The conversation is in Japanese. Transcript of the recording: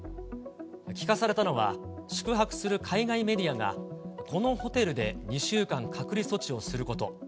聞かされたのは、宿泊する海外メディアが、このホテルで２週間隔離措置をすること。